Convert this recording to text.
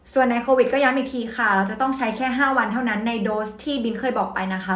ส่วนในโควิดก็ย้ำอีกทีค่ะเราจะต้องใช้แค่๕วันเท่านั้นในโดสที่บินเคยบอกไปนะคะ